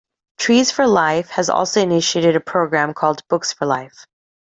Trees for Life has also initiated a program called Books for Life.